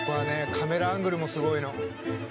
カメラアングルもすごいの。